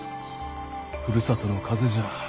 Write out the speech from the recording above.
ふるさとの風じゃ。